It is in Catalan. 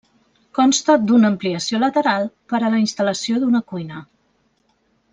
Consta d'una ampliació lateral per a la instal·lació d'una cuina.